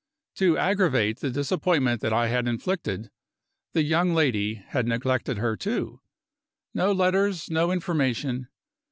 To aggravate the disappointment that I had inflicted, the young lady had neglected her, too. No letters, no information.